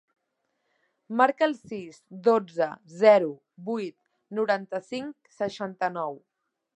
Marca el sis, dotze, zero, vuit, noranta-cinc, seixanta-nou.